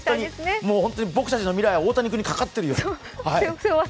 もう本当に僕たちの未来は大谷君にかかってるよ。